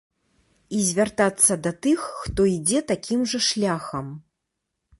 І звяртацца да тых, хто ідзе такім жа шляхам.